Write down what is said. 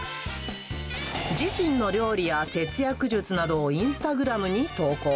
自身の料理や節約術などをインスタグラムに投稿。